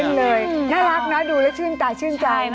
เลยน่ารักนะดูแล้วชื่นตาชื่นใจนะ